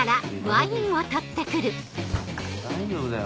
大丈夫だよ。